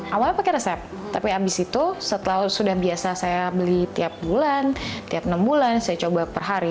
awalnya pakai resep tapi abis itu setelah sudah biasa saya beli tiap bulan tiap enam bulan saya coba per hari